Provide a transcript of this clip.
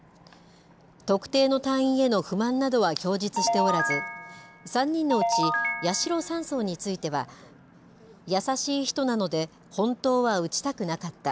特定の隊員への不満などは供述しておらず、３人のうち八代３曹については、優しい人なので本当は撃ちたくなかった。